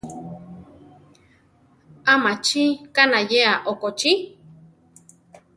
¿A machi kanayéa okochí?